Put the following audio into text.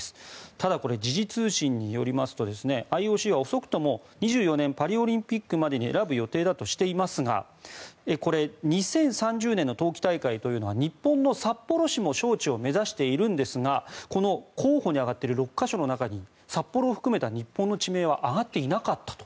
ただ、時事通信によりますとＩＯＣは遅くとも２４年パリオリンピックまでに選ぶ予定だとしていますがこれ、２０３０年の冬季大会というのは日本の札幌市も招致を目指しているんですがこの候補に挙がっている６か所の中に札幌を含めた日本の地名は挙がっていなかったと。